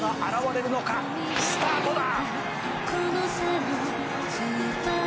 「スタートだ！」